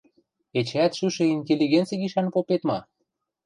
— Эчеӓт шӱшӹ интеллигенци гишӓн попет ма?